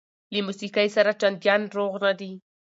له موسقۍ سره چنديان روغ نه دي